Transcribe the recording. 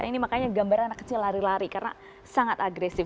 ini makanya gambar anak kecil lari lari karena sangat agresif